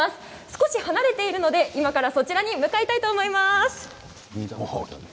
少し離れているので今からそちらに向かいたいと思います。